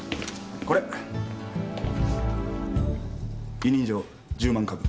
委任状１０万株。